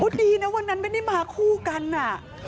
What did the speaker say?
ดีนะวันนั้นไม่ได้มาคู่กันอ่ะ